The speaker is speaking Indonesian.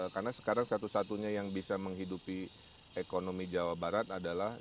karena sekarang satu satunya yang bisa menghidupi ekonomi jawa barat adalah